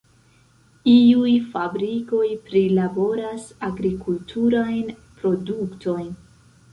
Iuj fabrikoj prilaboras agrikulturajn produktojn.